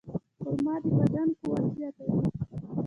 خرما د بدن قوت زیاتوي.